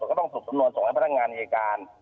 ที่มันต้องสรุปทรงรวมสาวให้พนักงานได้ไปตาม